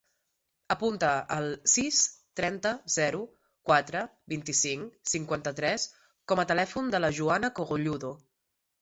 Apunta el sis, trenta, zero, quatre, vint-i-cinc, cinquanta-tres com a telèfon de la Joana Cogolludo.